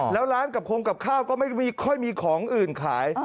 แล้วร้านกับโครงกับข้าวก็ไม่ค่อยมีของอื่นขาย